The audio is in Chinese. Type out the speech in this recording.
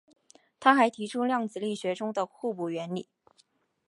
他还提出量子力学中的互补原理。